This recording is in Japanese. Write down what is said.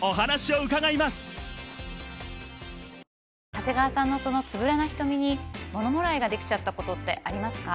長谷川さんのそのつぶらな瞳にものもらいができちゃったことってありますか？